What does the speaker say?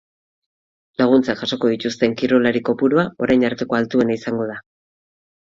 Laguntzak jasoko dituzten kirolari kopurua orain arteko altuena izango da.